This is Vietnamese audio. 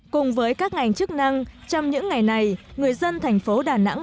cùng với các ngành chức năng trong những ngày này người dân thành phố đà nẵng